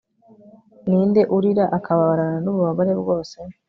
ninde urira, akababarana nububabare bwose